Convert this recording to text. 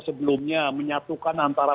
sebelumnya menyatukan antara